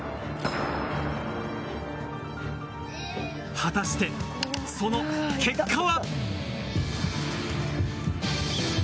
果たして、その結果は。